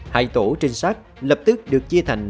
hai tổ trinh sát lập tức được chia thành